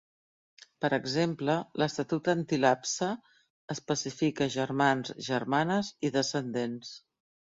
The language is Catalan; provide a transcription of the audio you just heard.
Per exemple, l'estatut antilapse especifica germans, germanes i descendents.